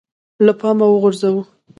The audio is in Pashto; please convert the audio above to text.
له پامه وغورځوو